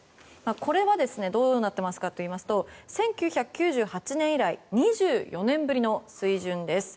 これはどうなっているかといいますと１９９８年以来２４年ぶりの水準です。